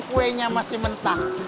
kuenya masih mentah